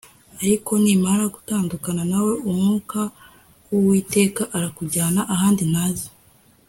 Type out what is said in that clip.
Ariko nimara gutandukana nawe umwuka wUwiteka arakujyana ahandi ntazi